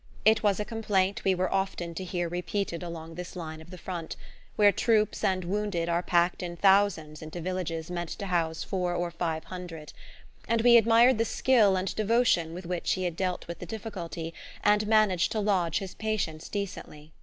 It was a complaint we were often to hear repeated along this line of the front, where troops and wounded are packed in thousands into villages meant to house four or five hundred; and we admired the skill and devotion with which he had dealt with the difficulty, and managed to lodge his patients decently.